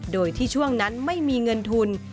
โดยที่ช่วงนั้นไม่มีเงินทุน